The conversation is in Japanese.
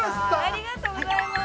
◆ありがとうございます。